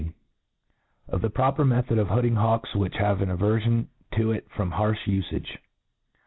Of the frop^r Method of Hooding Hawks ivhich have an Averfm to it from harjb U/age.